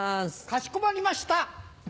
かしこまりました。